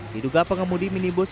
diduga pengemudi minibus